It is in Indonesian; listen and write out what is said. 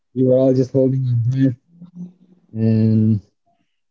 kita semua cuma berdiri di sini